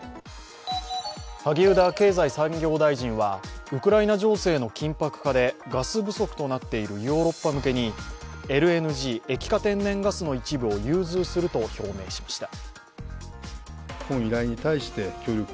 萩生田経済産業大臣はウクライナ情勢の緊迫化でガス不足となっているヨーロッパ向けにＬＮＧ＝液化天然ガスの一部を融通すると表明しました。